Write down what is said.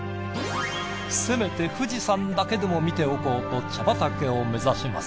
せめて富士山だけでも見ておこうと茶畑を目指します。